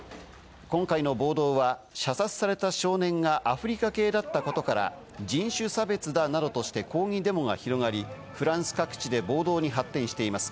今回の暴動は射殺された少年がアフリカ系だったことから、人種差別だなどとして抗議デモが広がり、フランス各地で暴動に発展しています。